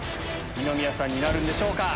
二宮さんになるんでしょうか？